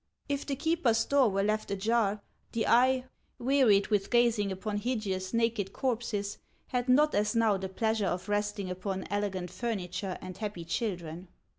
If the keeper's door were left ajar, the eye, wearied with gazing upon hideous, naked corpses, had not as now the pleasure of resting upon elegant furniture and happy children.